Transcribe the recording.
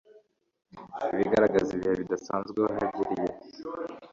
ibigaragaza ibihe bidasanzwe wahagiriye.